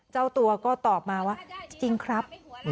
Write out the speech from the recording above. เจ้าตัวก็ตอบมาว่าจริงครับ